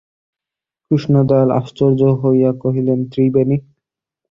কৃষ্ণদয়াল আশ্চর্য হইয়া কহিলেন, ত্রিবেণী!